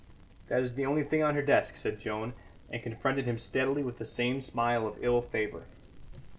"That is the only thing on her desk," said Joan, and confronted him steadily with the same smile of evil favour.